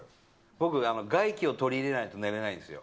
僕、外気を取り入れないと寝れないんですよ。